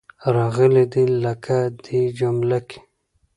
راغلې دي. لکه دې جمله کې.